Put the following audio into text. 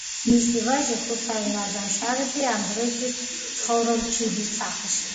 მისი ვაჟი, ჰუსაინ ნავაზ შარიფი, ამ დროისთვის ცხოვრობს ჯიდის სახლში.